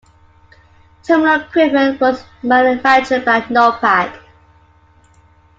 Terminal equipment was manufactured by Norpak.